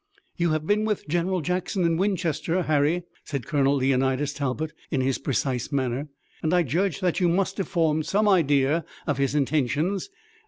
"You have been with General Jackson in Winchester, Harry," said Colonel Leonidas Talbot in his precise manner, "and I judge that you must have formed some idea of his intentions.